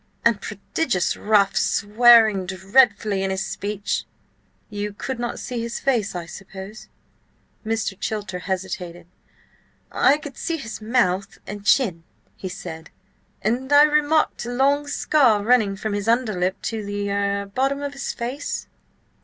"And prodigious rough, swearing dreadfully in his speech." "You could not see his face, I suppose?" Mr. Chilter hesitated. "I could see his mouth and chin," he said, "and I remarked a long scar running from his under lip to the–er–bottom of his face."